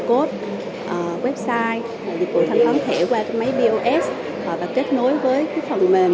dịch vụ thanh toán thẻ qua máy bos và kết nối với phần mềm hệ thống của các đơn vị để giúp chúng ta tiến tới một xã hội thanh toán không dùng tiền mặt